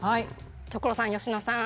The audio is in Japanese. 所さん佳乃さん。